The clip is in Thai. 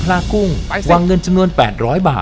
ช้าเหลือเกินเชื่องช้ามากเลยอ่ะ